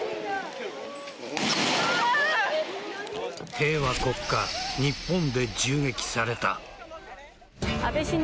平和国家・日本で銃撃された。